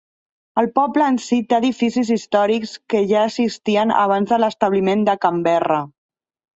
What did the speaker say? El poble en sí té edificis històrics que ja existien abans de l'establiment de Canberra.